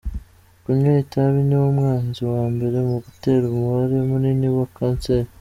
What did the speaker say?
Kunywa itabi niwo mwanzi wa mbere mu gutera umubare mununi wa kanseri.